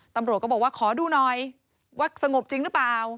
ตำรวจก็บอกว่าขอดูหน่อยว่าสงบจริงหรือเปล่า